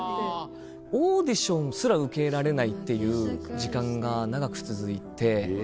オーディションすら受けられないっていう時間が長く続いて。